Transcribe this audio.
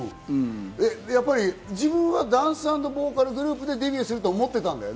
自分はダンス＆ボーカルグループでデビューすると思ってたんだよね。